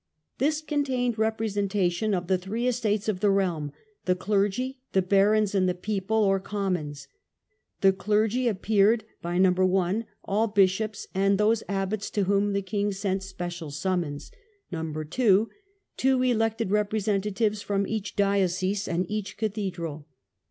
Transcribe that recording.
This contained representation of the three estates of the realm, the clergy, the barons, and the people (or commons). The clergy appeared by (i) all bishops and those abbots to whom the king sent special summons, (2) two elected representatives from each diocese and each cathedral.